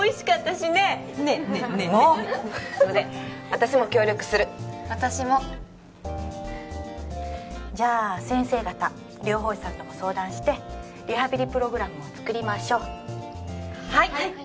私も協力する私もじゃあ先生方療法士さんとも相談してリハビリプログラムを作りましょうはい・